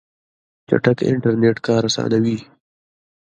چټک انټرنیټ کار اسانوي.